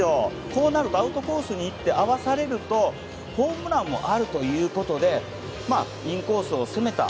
こうなるとアウトコースに行って合わされるとホームランもあるということでインコースを攻めた。